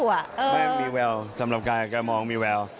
ไม่มีแววสำหรับการแกมองมีแวว